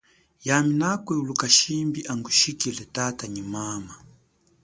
Yami nakwiuluka shimbi angushikile tata nyi mama.